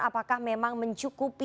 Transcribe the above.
apakah memang mencukupi